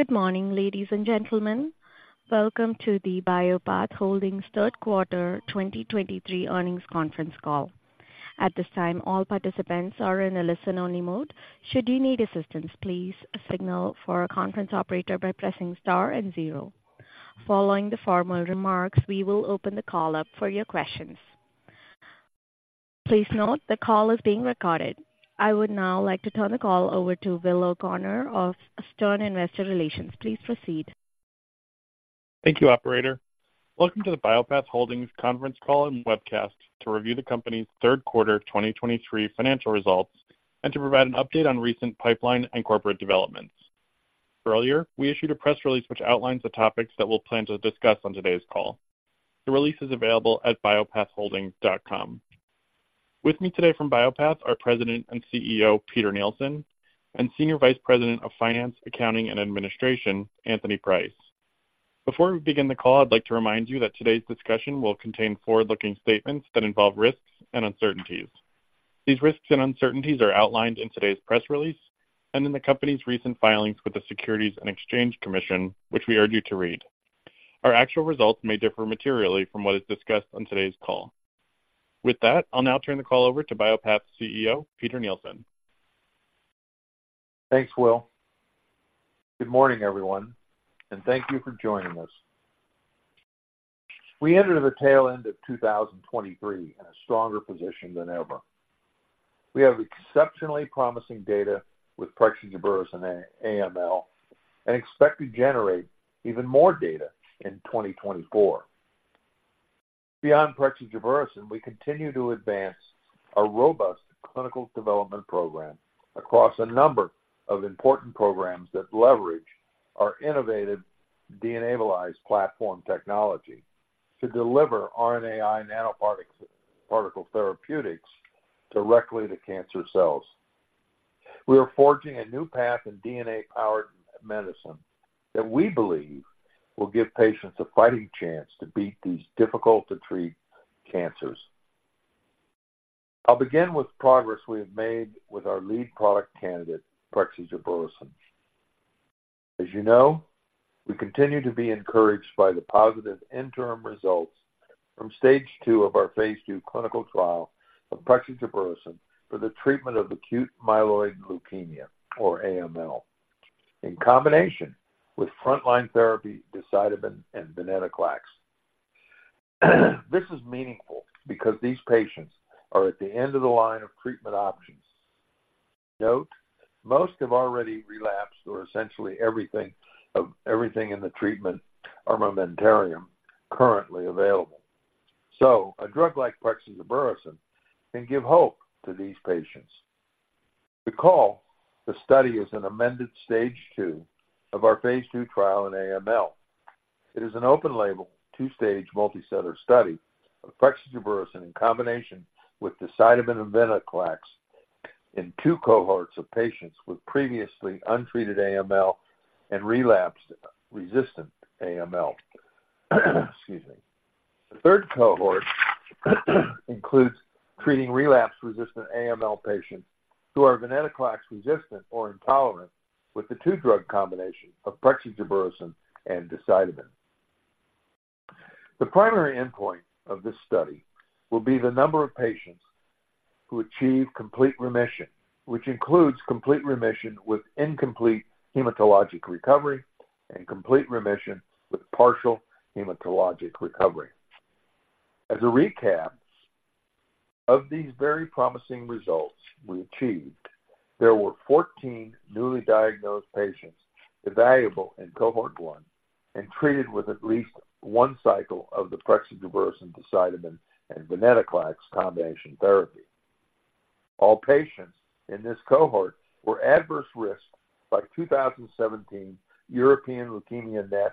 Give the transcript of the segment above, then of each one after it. Good morning, ladies and gentlemen. Welcome to the Bio-Path Holdings third quarter 2023 earnings conference call. At this time, all participants are in a listen-only mode. Should you need assistance, please signal for a conference operator by pressing star and zero. Following the formal remarks, we will open the call up for your questions. Please note, the call is being recorded. I would now like to turn the call over to Will O'Connor of Stern Investor Relations. Please proceed. Thank you, operator. Welcome to the Bio-Path Holdings conference call and webcast to review the company's third quarter 2023 financial results and to provide an update on recent pipeline and corporate developments. Earlier, we issued a press release which outlines the topics that we'll plan to discuss on today's call. The release is available at biopathholdings.com. With me today from Bio-Path are President and CEO, Peter Nielsen, and Senior Vice President of Finance, Accounting, and Administration, Anthony Price. Before we begin the call, I'd like to remind you that today's discussion will contain forward-looking statements that involve risks and uncertainties. These risks and uncertainties are outlined in today's press release and in the company's recent filings with the Securities and Exchange Commission, which we urge you to read. Our actual results may differ materially from what is discussed on today's call. With that, I'll now turn the call over to Bio-Path's CEO, Peter Nielsen. Thanks, Will. Good morning, everyone, and thank you for joining us. We enter the tail end of 2023 in a stronger position than ever. We have exceptionally promising data with prexigebersen AML and expect to generate even more data in 2024. Beyond prexigebersen, we continue to advance our robust clinical development program across a number of important programs that leverage our innovative DNAbilize platform technology to deliver RNAi nanoparticle therapeutics directly to cancer cells. We are forging a new path in DNA-powered medicine that we believe will give patients a fighting chance to beat these difficult-to-treat cancers. I'll begin with progress we have made with our lead product candidate, prexigebersen. As you know, we continue to be encouraged by the positive interim results from Stage 2 of our phase II clinical trial of prexigebersen for the treatment of acute myeloid leukemia, or AML, in combination with frontline therapy decitabine and venetoclax. This is meaningful because these patients are at the end of the line of treatment options. Note, most have already relapsed on essentially everything in the treatment armamentarium currently available. So a drug like prexigebersen can give hope to these patients. To clarify, the study is an amended Stage 2 of our phase II trial in AML. It is an open-label, 2-stage, multicenter study of prexigebersen in combination with decitabine and venetoclax in two cohorts of patients with previously untreated AML and relapsed resistant AML. Excuse me. The third cohort includes treating relapsed resistant AML patients who are venetoclax-resistant or intolerant with the two-drug combination of prexigebersen and decitabine. The primary endpoint of this study will be the number of patients who achieve complete remission, which includes complete remission with incomplete hematologic recovery and complete remission with partial hematologic recovery. As a recap, of these very promising results we achieved, there were 14 newly diagnosed patients evaluable in Cohort 1 and treated with at least one cycle of the prexigebersen, decitabine, and venetoclax combination therapy. All patients in this cohort were adverse risk by 2017 European LeukemiaNet,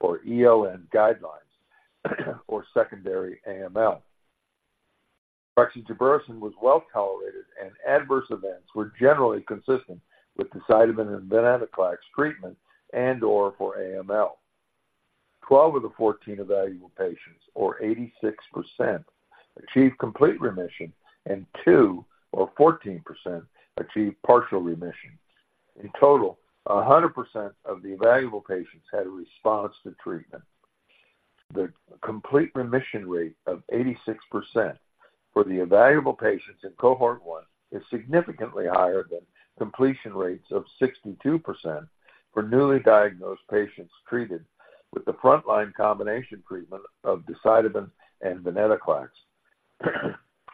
or ELN, guidelines, or secondary AML. Prexigebersen was well tolerated, and adverse events were generally consistent with decitabine and venetoclax treatment and/or for AML. 12 of the 14 evaluable patients, or 86%, achieved complete remission, and two, or 14%, achieved partial remissions. In total, 100% of the evaluable patients had a response to treatment. The complete remission rate of 86% for the evaluable patients in Cohort 1 is significantly higher than complete remission rates of 62% for newly diagnosed patients treated with the frontline combination treatment of decitabine and venetoclax.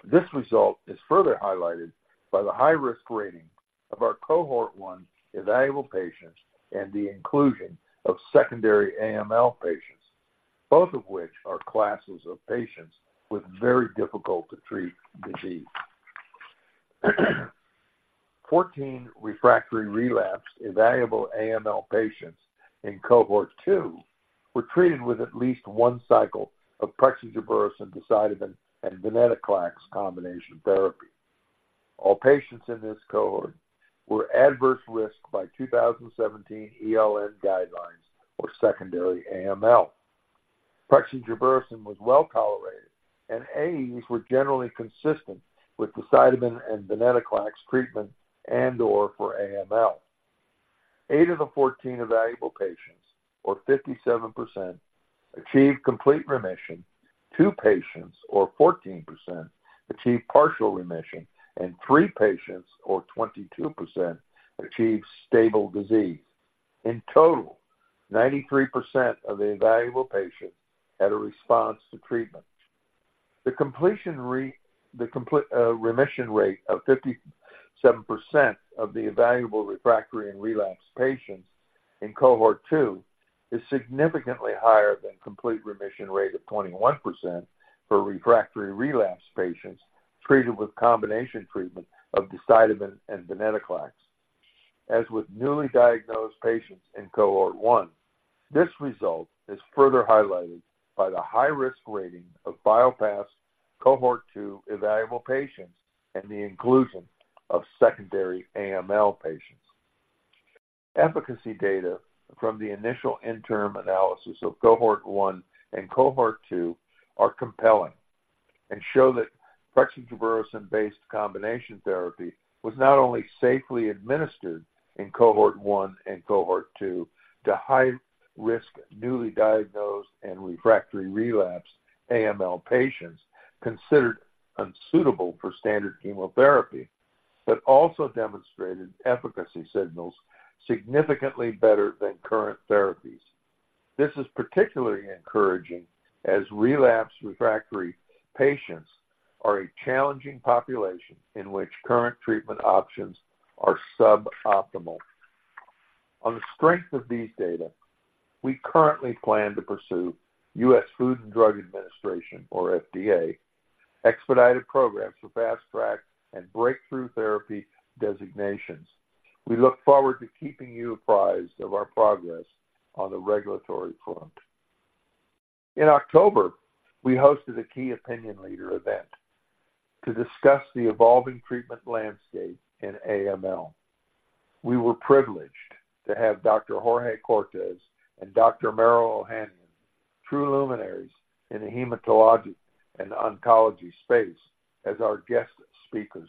This result is further highlighted by the high-risk rating of our Cohort 1 evaluable patients and the inclusion of secondary AML patients, both of which are classes of patients with very difficult-to-treat disease. 14 refractory relapsed evaluable AML patients in Cohort 2 were treated with at least one cycle of prexigebersen, decitabine, and venetoclax combination therapy. All patients in this cohort were adverse risk by 2017 ELN guidelines or secondary AML. Prexigebersen was well tolerated, and AEs were generally consistent with decitabine and venetoclax treatment and/or for AML. 8 of the 14 evaluable patients, or 57%, achieved complete remission, two patients or 14% achieved partial remission, and three patients or 22%, achieved stable disease. In total, 93% of the evaluable patients had a response to treatment. The complete remission rate of 57% of the evaluable refractory and relapsed patients in Cohort 2, is significantly higher than complete remission rate of 21% for refractory relapsed patients treated with combination treatment of decitabine and venetoclax. As with newly diagnosed patients in Cohort 1, this result is further highlighted by the high-risk rating of Bio-Path's Cohort 2 evaluable patients and the inclusion of secondary AML patients. Efficacy data from the initial interim analysis of Cohort 1 and Cohort 2 are compelling and show that prexigebersen-based combination therapy was not only safely administered in Cohort 1 and Cohort 2 to high-risk, newly diagnosed and refractory relapse AML patients considered unsuitable for standard chemotherapy, but also demonstrated efficacy signals significantly better than current therapies. This is particularly encouraging as relapsed refractory patients are a challenging population in which current treatment options are suboptimal. On the strength of these data, we currently plan to pursue U.S. Food and Drug Administration, or FDA, expedited programs for Fast Track and Breakthrough Therapy designations. We look forward to keeping you apprised of our progress on the regulatory front. In October, we hosted a key opinion leader event to discuss the evolving treatment landscape in AML. We were privileged to have Dr. Jorge Cortes and Dr. Maro Ohanian, true luminaries in the hematologic and oncology space, as our guest speakers.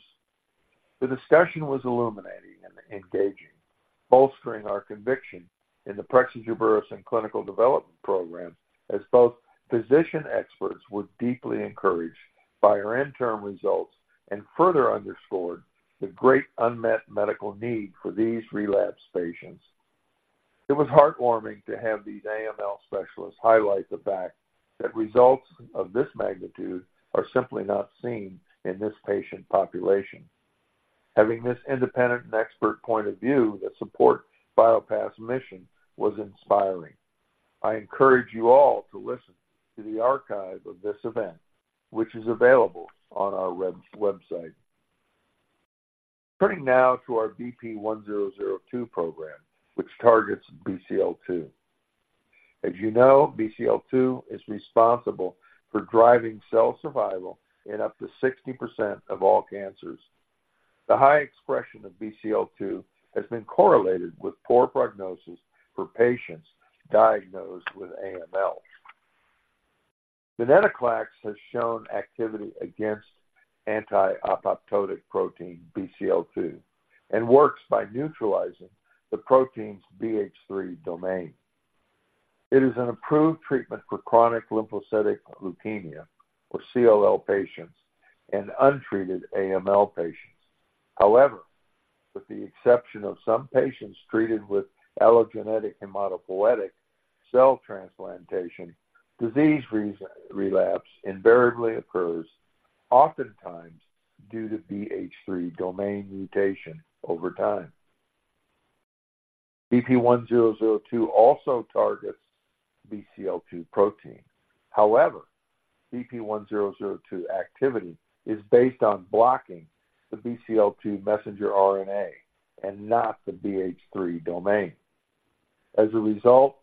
The discussion was illuminating and engaging, bolstering our conviction in the prexigebersen clinical development program, as both physician experts were deeply encouraged by our interim results and further underscored the great unmet medical need for these relapsed patients. It was heartwarming to have these AML specialists highlight the fact that results of this magnitude are simply not seen in this patient population. Having this independent and expert point of view that support Bio-Path's mission was inspiring. I encourage you all to listen to the archive of this event, which is available on our website. Turning now to our BP1002 program, which targets Bcl-2. As you know, Bcl-2 is responsible for driving cell survival in up to 60% of all cancers. The high expression of Bcl-2 has been correlated with poor prognosis for patients diagnosed with AML. Venetoclax has shown activity against anti-apoptotic protein Bcl-2 and works by neutralizing the protein's BH3 domain. It is an approved treatment for chronic lymphocytic leukemia, or CLL patients, and untreated AML patients. However, with the exception of some patients treated with allogeneic hematopoietic cell transplantation, disease relapse invariably occurs, oftentimes due to BH3 domain mutation over time. BP1002 also targets Bcl-2 protein. However, BP1002 activity is based on blocking the Bcl-2 messenger RNA and not the BH3 domain. As a result,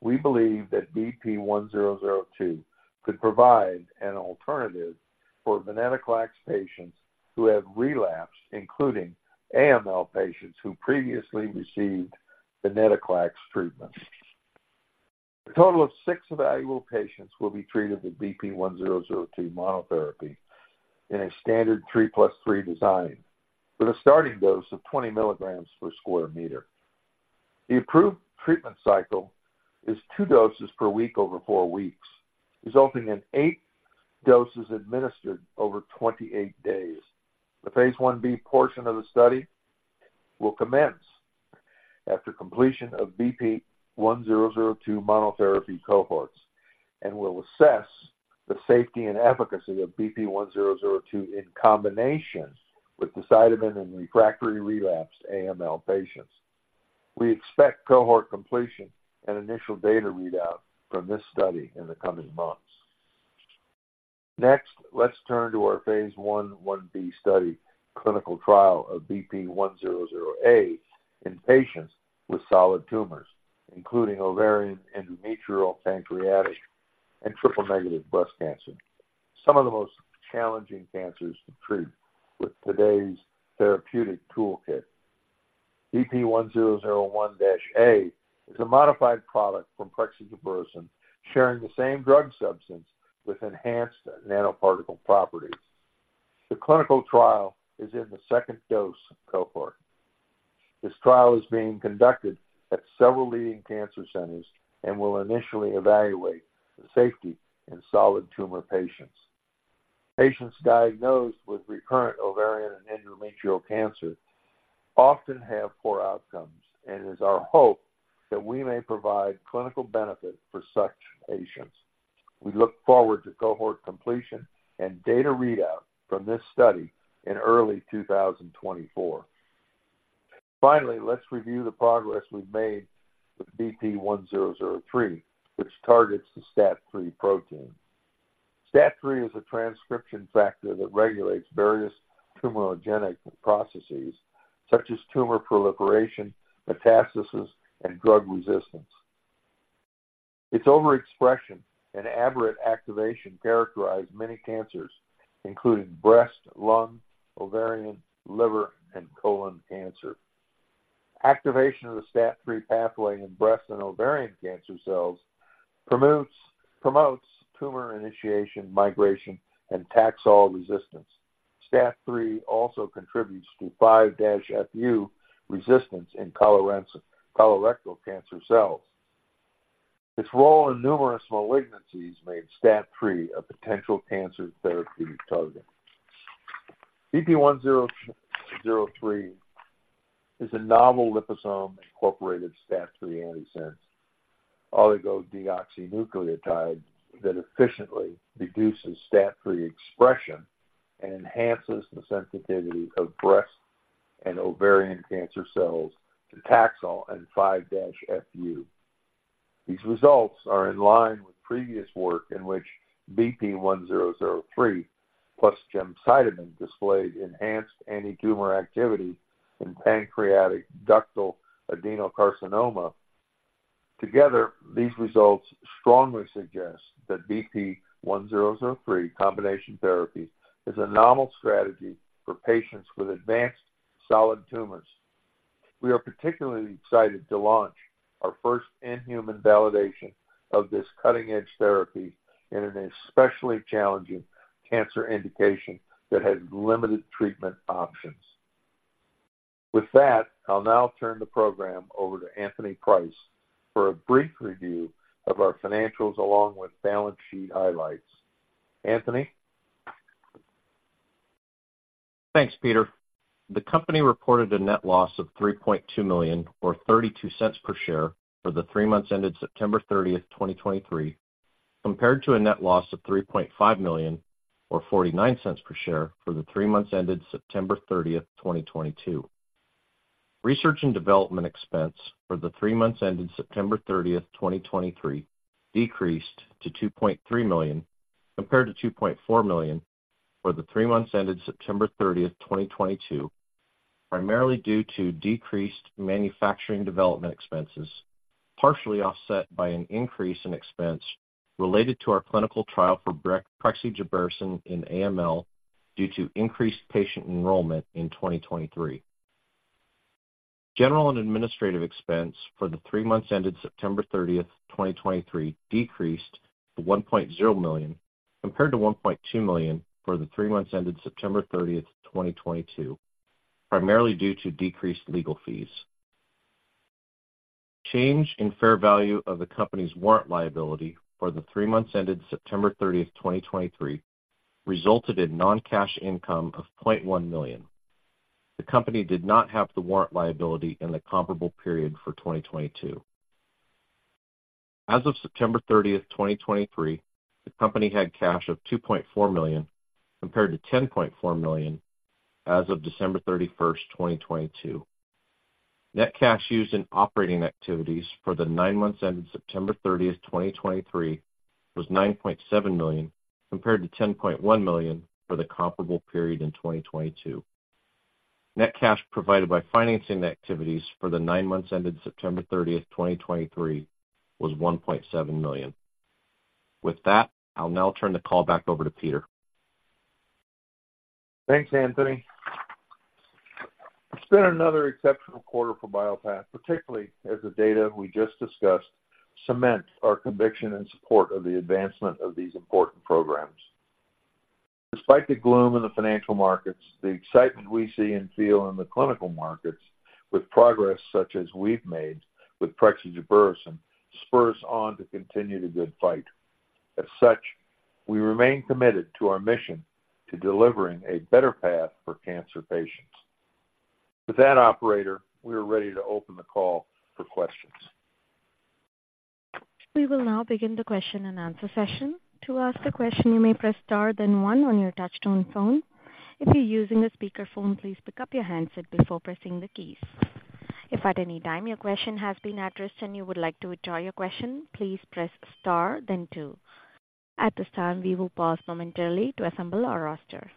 we believe that BP1002 could provide an alternative for venetoclax patients who have relapsed, including AML patients who previously received venetoclax treatment. A total of six evaluable patients will be treated with BP1002 monotherapy in a standard 3+3 design with a starting dose of 20 mg per square meter. The approved treatment cycle is 2 doses per week over 4 weeks, resulting in 8 doses administered over 28 days. The phase Ib portion of the study will commence after completion of BP1002 monotherapy cohorts and will assess the safety and efficacy of BP1002 in combination with decitabine in refractory relapsed AML patients. We expect cohort completion and initial data readout from this study in the coming months. Next, let's turn to our phase I/I-B study, clinical trial of BP1001-A in patients with solid tumors, including ovarian, endometrial, pancreatic, and triple-negative breast cancer, some of the most challenging cancers to treat with today's therapeutic toolkit. BP1001-A is a modified product from prexigebersen, sharing the same drug substance with enhanced nanoparticle properties. The clinical trial is in the second dose cohort. This trial is being conducted at several leading cancer centers and will initially evaluate the safety in solid tumor patients. Patients diagnosed with recurrent ovarian and endometrial cancer often have poor outcomes, and it is our hope that we may provide clinical benefit for such patients. We look forward to cohort completion and data readout from this study in early 2024. Finally, let's review the progress we've made with BP1003, which targets the STAT3 protein. STAT3 is a transcription factor that regulates various tumorigenic processes such as tumor proliferation, metastasis, and drug resistance. Its overexpression and aberrant activation characterize many cancers, including breast, lung, ovarian, liver, and colon cancer. Activation of the STAT3 pathway in breast and ovarian cancer cells promotes tumor initiation, migration, and Taxol resistance. STAT3 also contributes to 5-FU resistance in colorectal cancer cells. Its role in numerous malignancies made STAT3 a potential cancer therapeutic target. BP1003 is a novel liposome-incorporated STAT3 antisense oligodeoxynucleotide that efficiently reduces STAT3 expression and enhances the sensitivity of breast and ovarian cancer cells to Taxol and 5-FU. These results are in line with previous work in which BP1003 plus gemcitabine displayed enhanced antitumor activity in pancreatic ductal adenocarcinoma. Together, these results strongly suggest that BP1003 combination therapy is a novel strategy for patients with advanced solid tumors. We are particularly excited to launch our first in-human validation of this cutting-edge therapy in an especially challenging cancer indication that has limited treatment options. With that, I'll now turn the program over to Anthony Price for a brief review of our financials, along with balance sheet highlights. Anthony? Thanks, Peter. The company reported a net loss of $3.2 million, or $0.32 per share, for the three months ended September 30th, 2023, compared to a net loss of $3.5 million, or $0.49 per share, for the three months ended September 30th, 2022. Research and development expense for the three months ended September 30th, 2023, decreased to $2.3 million, compared to $2.4 million for the three months ended September 30th, 2022, primarily due to decreased manufacturing development expenses, partially offset by an increase in expense related to our clinical trial for prexigebersen in AML due to increased patient enrollment in 2023. General and administrative expense for the three months ended September 30th, 2023, decreased to $1.0 million, compared to $1.2 million for the three months ended September 30th, 2022, primarily due to decreased legal fees. Change in fair value of the company's warrant liability for the three months ended September 30th, 2023, resulted in non-cash income of $0.1 million. The company did not have the warrant liability in the comparable period for 2022. As of September 30th, 2023, the company had cash of $2.4 million, compared to $10.4 million as of December 31st, 2022. Net cash used in operating activities for the nine months ended September 30th, 2023, was $9.7 million, compared to $10.1 million for the comparable period in 2022. Net cash provided by financing activities for the nine months ended September 30th, 2023, was $1.7 million. With that, I'll now turn the call back over to Peter. Thanks, Anthony. It's been another exceptional quarter for Bio-Path, particularly as the data we just discussed cements our conviction and support of the advancement of these important programs. Despite the gloom in the financial markets, the excitement we see and feel in the clinical markets with progress such as we've made with prexigebersen, spurs on to continue the good fight. As such, we remain committed to our mission to delivering a better path for cancer patients. With that, operator, we are ready to open the call for questions. We will now begin the question-and-answer session. To ask a question, you may press star then one on your touchtone phone. If you're using a speakerphone, please pick up your handset before pressing the keys. If at any time your question has been addressed and you would like to withdraw your question, please press star then two. At this time, we will pause momentarily to assemble our roster.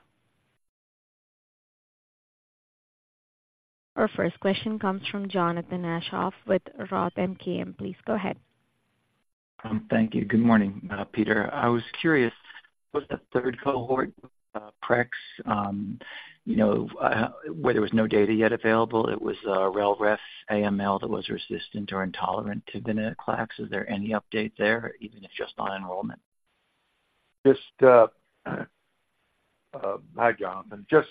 Our first question comes from Jonathan Aschoff with Roth MKM. Please go ahead. Thank you. Good morning, Peter. I was curious, what's the third cohort, prex? You know, where there was no data yet available, it was, relapsed/refractory AML that was resistant or intolerant to venetoclax. Is there any update there, even if just on enrollment? Just... Hi, John. And just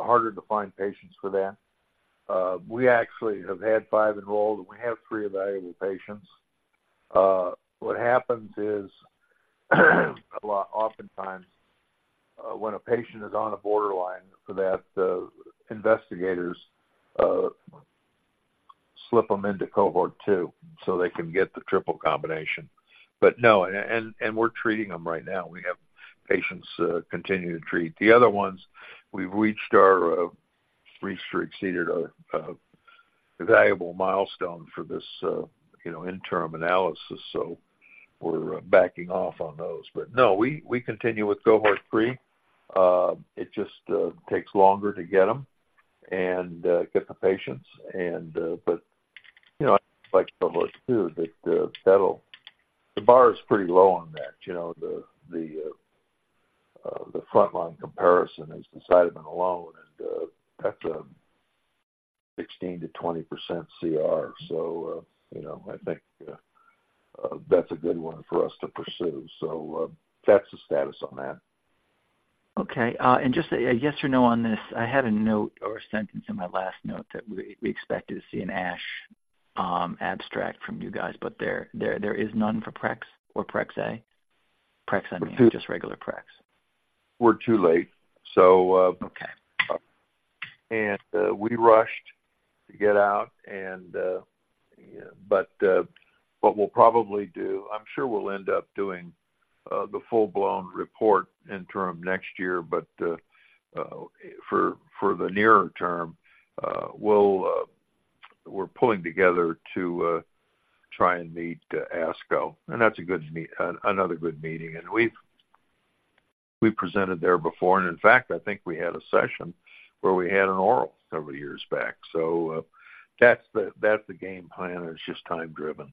harder to find patients for that. We actually have had five enrolled, and we have three evaluable patients. What happens is, oftentimes, when a patient is on a borderline for that, the investigators slip them into Cohort 2 so they can get the triple combination. But no, and we're treating them right now. We have patients continuing to treat. The other ones, we've reached our, reached or exceeded our, evaluable milestone for this, you know, interim analysis, so we're backing off on those. But no, we continue with Cohort 3. It just takes longer to get them and get the patients and... But, you know, like Cohort 2, that'll the bar is pretty low on that. You know, the frontline comparison is the decitabine alone, and that's a 16%-20% CR. So, you know, I think that's a good one for us to pursue. So, that's the status on that. Okay. And just a yes or no on this, I had a note or a sentence in my last note that we expected to see an ASH abstract from you guys, but there is none for prex or prex-A? prex, I mean, just regular prex. We're too late, so, Okay. We rushed to get out, but what we'll probably do, I'm sure we'll end up doing, the full-blown report interim next year. But for the nearer term, we're pulling together to try and meet ASCO. And that's a good meeting - another good meeting. And we've presented there before, and in fact, I think we had a session where we had an oral several years back. So, that's the game plan, and it's just time driven.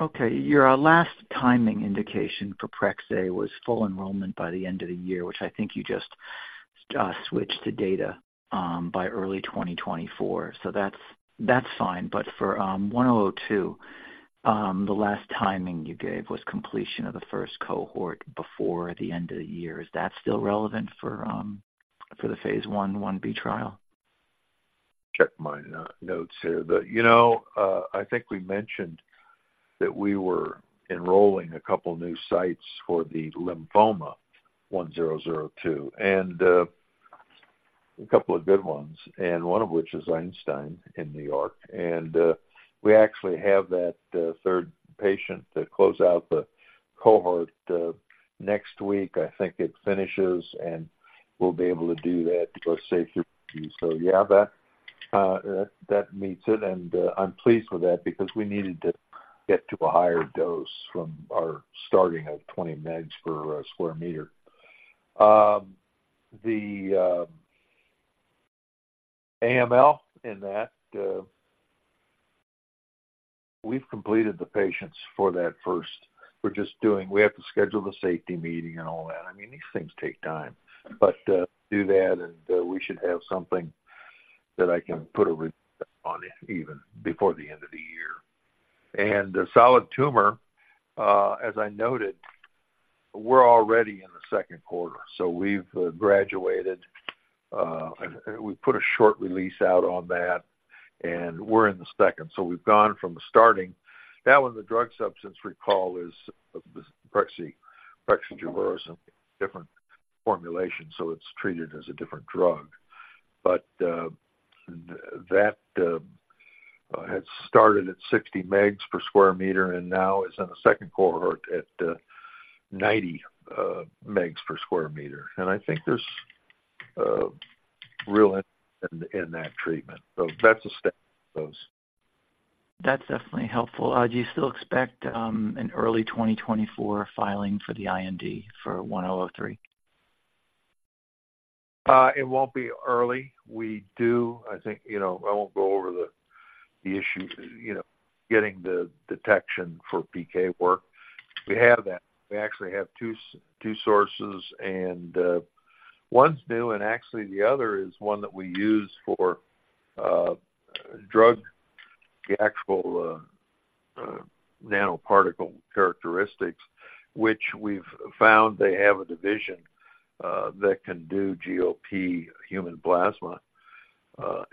Okay. Your last timing indication for BP1001-A was full enrollment by the end of the year, which I think you just switched to data by early 2024. So that's, that's fine. But for BP1002, the last timing you gave was completion of the first cohort before the end of the year. Is that still relevant for the phase I/1-B trial? Check my notes here. But, you know, I think we mentioned that we were enrolling a couple new sites for the lymphoma BP1002 and a couple of good ones, and one of which is Einstein in New York. And, we actually have that third patient to close out the cohort next week. I think it finishes, and we'll be able to do that for safety. So yeah, that meets it, and I'm pleased with that because we needed to get to a higher dose from our starting of 20 mg per square meter. The AML in that, we've completed the patients for that first. We're just doing. We have to schedule the safety meeting and all that. I mean, these things take time. But, do that, and, we should have something that I can put a on it even before the end of the year. And the solid tumor, as I noted, we're already in the second Cohort, so we've, graduated. We put a short release out on that, and we're in the second. So we've gone from the starting. That one, the drug substance recall is the prexigebersen, different formulation, so it's treated as a different drug. But, that, had started at 60 mg per square meter and now is in the second cohort at, 90, mg per square meter. And I think there's, real in, in that treatment. So that's the status of those. That's definitely helpful. Do you still expect an early 2024 filing for the IND for BP1003? It won't be early. We do... I think, you know, I won't go over the, the issue, you know, getting the detection for PK work. We have that. We actually have two sources, and one's new, and actually the other is one that we use for drug, the actual nanoparticle characteristics, which we've found they have a division that can do GLP human plasma.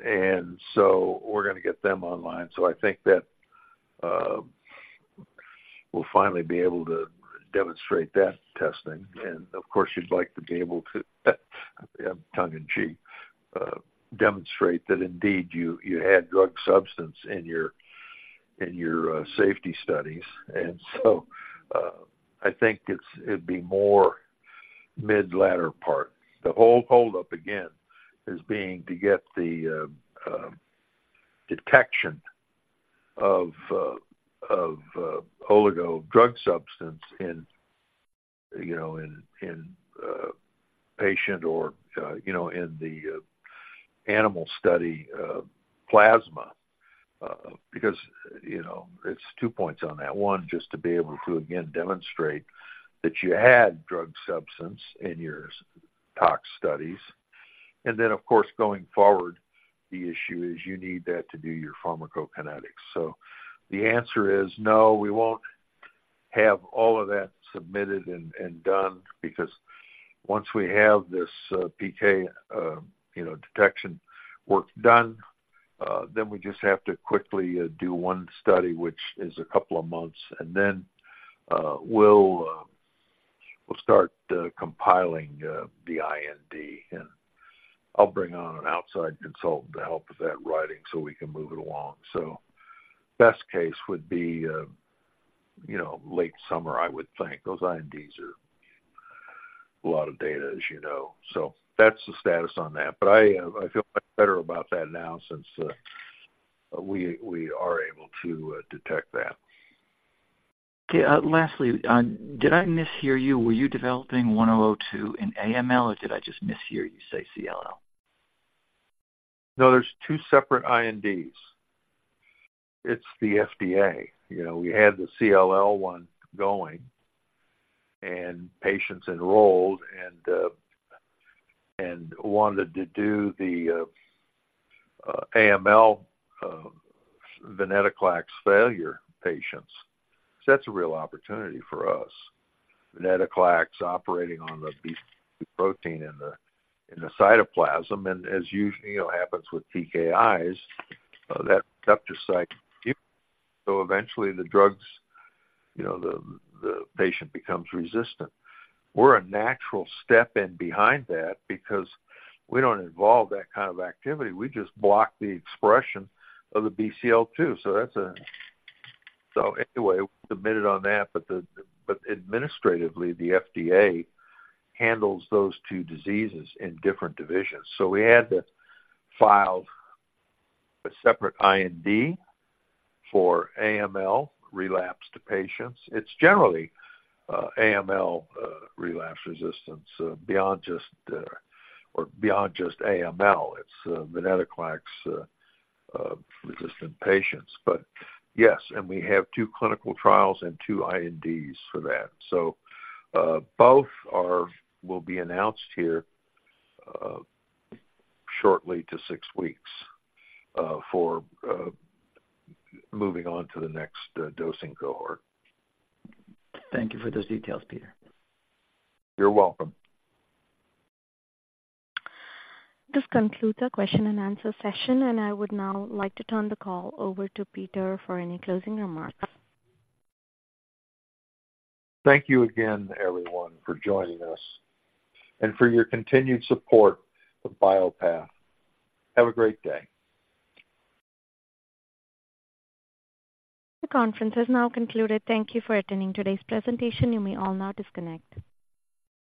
And so we're gonna get them online. So I think that we'll finally be able to demonstrate that testing. And of course, you'd like to be able to, tongue in cheek, demonstrate that indeed you had drug substance in your safety studies. And so I think it's it'd be more mid-latter part. The whole holdup, again, is being to get the detection of oligo drug substance in plasma. You know, in patient or, you know, in the animal study, plasma. Because, you know, it's two points on that. One, just to be able to again demonstrate that you had drug substance in your tox studies. And then, of course, going forward, the issue is you need that to do your pharmacokinetics. So the answer is no, we won't have all of that submitted and done, because once we have this PK, you know, detection work done, then we just have to quickly do one study, which is a couple of months, and then we'll start compiling the IND. I'll bring on an outside consultant to help with that writing so we can move it along. Best case would be, you know, late summer, I would think. Those INDs are a lot of data, as you know, so that's the status on that. I feel much better about that now since we are able to detect that. Okay. Lastly, did I mishear you? Were you developing 102 in AML, or did I just mishear you say CLL? No, there's two separate INDs. It's the FDA. You know, we had the CLL one going, and patients enrolled and wanted to do the AML venetoclax failure patients. So that's a real opportunity for us. Venetoclax operating on the Bcl-2 protein in the cytoplasm, and as usually, you know, happens with TKIs that uptake site. So eventually the drugs, you know, the patient becomes resistant. We're a natural step in behind that because we don't involve that kind of activity. We just block the expression of the Bcl-2. So that's a. So anyway, we submitted on that, but administratively, the FDA handles those two diseases in different divisions. So we had to file a separate IND for AML relapsed patients. It's generally AML relapse resistance beyond just or beyond just AML. It's venetoclax-resistant patients. But yes, and we have two clinical trials and two INDs for that. So, both will be announced here shortly, two to six weeks, for moving on to the next dosing cohort. Thank you for those details, Peter. You're welcome. This concludes our question-and-answer session, and I would now like to turn the call over to Peter for any closing remarks. Thank you again, everyone, for joining us and for your continued support of Bio-Path. Have a great day. The conference has now concluded. Thank you for attending today's presentation. You may all now disconnect.